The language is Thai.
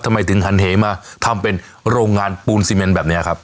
ทำไมถึงหันเหมาทำเป็นโรงงานปูนซีเมนแบบนี้ครับ